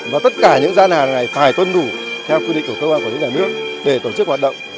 và tất cả những gian hàng này phải tuân thủ theo quy định của cơ quan quản lý nhà nước để tổ chức hoạt động